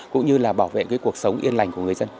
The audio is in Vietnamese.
cũng như là bảo vệ cái cuộc sống yên lành của người dân